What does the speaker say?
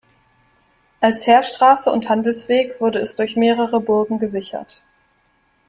Als Heerstraße und Handelsweg wurde es durch mehrere Burgen gesichert.